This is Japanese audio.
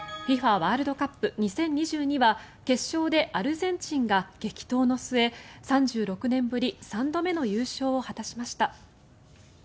ワールドカップ２０２２は決勝でアルゼンチンが激闘の末３６年ぶり３度目の優勝を果たしました。